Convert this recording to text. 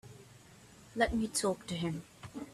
Let me talk to him.